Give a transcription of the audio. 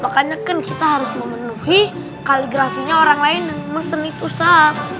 makanya kan kita harus memenuhi kaligrafinya orang lain yang mesen itu ustadz